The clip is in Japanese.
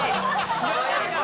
知らないな。